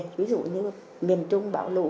ví dụ như miền trung bão lũ